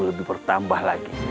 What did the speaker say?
lebih bertambah lagi